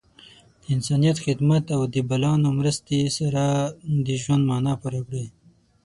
د انسانیت خدمت او د بلانو مرستې سره د ژوند معنا پوره کړئ.